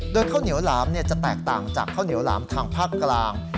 โดยข้าวเหนียวหลามจะแตกต่างจากข้าวเหนียวหลามทางภาคกลาง